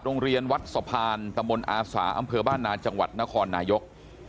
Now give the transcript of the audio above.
โรงเรียนวัดสะพานตะมนต์อาสาอำเภอบ้านนาจังหวัดนครนายก